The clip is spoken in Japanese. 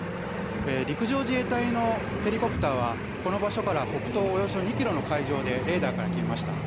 陸上自衛隊のヘリコプターはこの場所から北東およそ２キロの海上でレーダーから消えました。